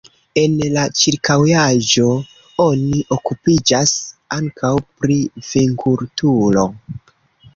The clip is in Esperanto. En la ĉirkaŭaĵo oni okupiĝas ankaŭ pri vinkulturo.